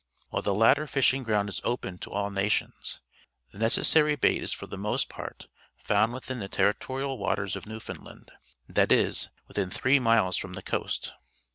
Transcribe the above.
"Wliile the latter .fishing ground is open to all nations, the necessary bait is for the most part found within the territorial waters of Newfoundland, that is, within three miles from the coast.